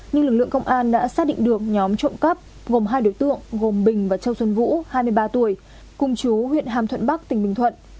nhưng lực lượng công an đã xác định được nhóm trộm cắp gồm hai đối tượng gồm bình và châu xuân vũ hai mươi ba tuổi cùng chú huyện hàm thuận bắc tỉnh bình thuận